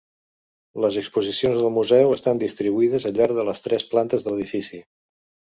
Les exposicions del museu estan distribuïdes al llarg de les tres plantes de l'edifici.